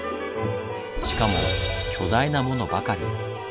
しかも巨大なものばかり。